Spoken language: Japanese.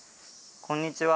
こんにちは。